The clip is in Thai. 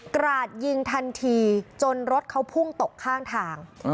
กราดยิงทันทีจนรถเขาพุ่งตกข้างทาง